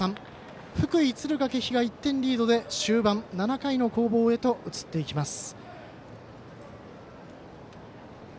福井、敦賀気比が１点リードで終盤７回の攻防へと移っていきます。